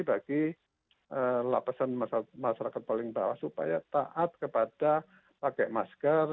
bagi lapisan masyarakat paling bawah supaya taat kepada pakai masker